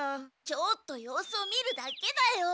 ちょっと様子を見るだけだよ。